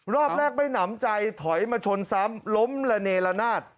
รอบแรกไม่หนำใจถอยมาชนซ้ำล้มละเนละนาด